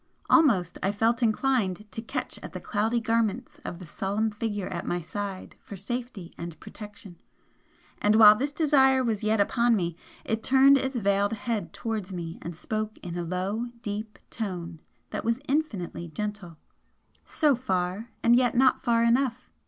Almost I felt inclined to catch at the cloudy garments of the solemn Figure at my side for safety and protection, and while this desire was yet upon me it turned its veiled head towards me and spoke in a low, deep tone that was infinitely gentle. "So far! and yet not far enough!"